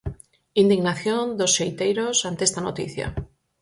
Indignación dos xeiteiros ante esta noticia.